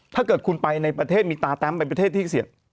ถ้าเกิดคุณไปในประเทศมีตาแตมไปประเทศที่เสี่ยง